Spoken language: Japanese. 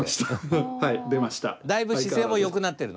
だいぶ姿勢もよくなってるの？